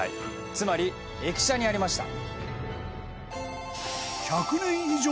つまり、駅舎にありました。